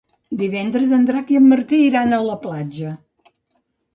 Divendres en Drac i en Martí iran a la platja.